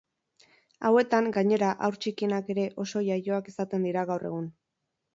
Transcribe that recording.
Hauetan, gainera, haur txikienak ere oso iaioak izaten dira gaur egun.